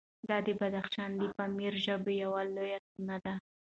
دا چې بدخشان د پامیري ژبو یوه لویه سیمه ده،